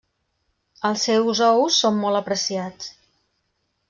Els seus ous són molt apreciats.